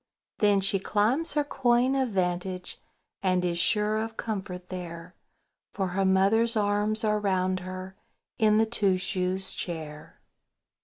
Then she climbs her coign of vantage, And is sure of comfort there, For her mother's arms are round her In the Two shoes Chair.